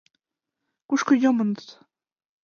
Кушко йомыныт?